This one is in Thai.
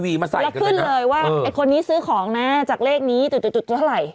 ว่าไอ้คนนี้ซื้อของนะจากเลขนี้ตุ๊ดเท่าไร